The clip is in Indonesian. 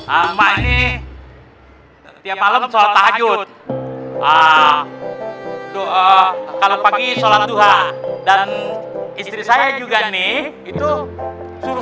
amani tiap malam salat tahajud doa kalau pagi sholat duha dan istri saya juga nih itu suruh